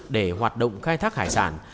để hoạt động khai thác hải sản